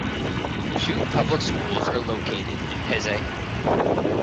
Two public schools are located in Peize.